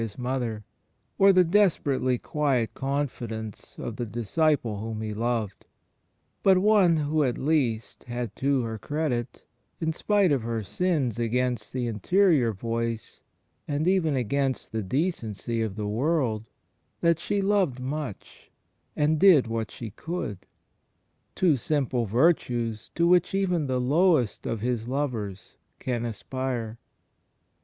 ^ CHRIST IN mS HISTORICAL LIFE 157 mother, or the desperately quiet confidence of the disciple whom He loved — but one who at least had to her credit, in spite of her sins against the Interior Voice and even against the decency of the world, that she "loved much," and "did what she could" — two simple virtues to which even the lowest of His lovers can aspire.